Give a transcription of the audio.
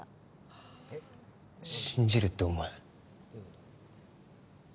信じるってお前。